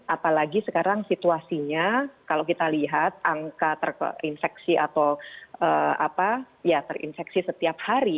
apalagi sekarang situasinya kalau kita lihat angka terinfeksi atau apa ya terinfeksi setiap hari